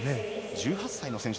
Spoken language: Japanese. １８歳の選手。